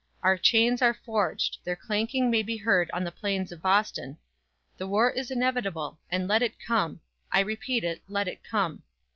Our chains are forged; their clanking may be heard on the plains of Boston. The war is inevitable; and let it come. I repeat it, let it come.